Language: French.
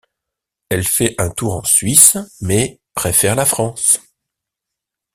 Elle fait un tour en Suisse, mais préfère la France.